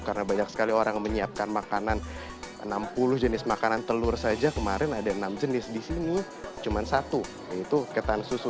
karena banyak sekali orang yang menyiapkan makanan enam puluh jenis makanan telur saja kemarin ada enam jenis disini cuma satu yaitu ketan susu